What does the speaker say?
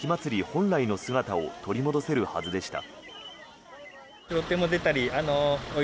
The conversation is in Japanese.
本来の姿を取り戻せるはずでした。